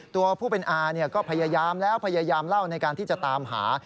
ตัวผู้เป็นอาก็พยายามแล้วพยายามเล่าในการที่จะตามหา